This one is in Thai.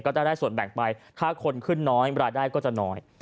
ก็จะได้ส่วนแบ่งไปถ้าคนขึ้นน้อยรายได้ก็จะน้อย